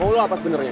mau lo apa sebenarnya